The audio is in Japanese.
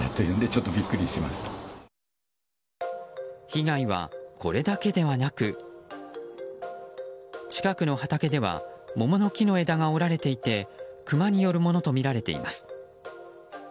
被害はこれだけではなく近くの畑では桃の木の枝が折られていてクマによるものとみられています。